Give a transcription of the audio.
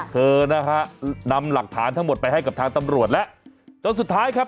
เธอนะฮะนำหลักฐานทั้งหมดไปให้กับทางตำรวจแล้วจนสุดท้ายครับ